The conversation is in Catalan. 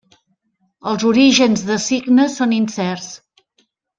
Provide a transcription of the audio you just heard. Els orígens de Signa són incerts.